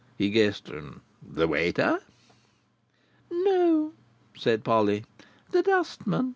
He guessed: "The waiter?" "No," said Polly, "the dustman.